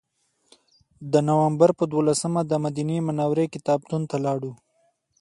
د نوامبر په دولسمه دمدینې منورې کتابتون ته لاړو.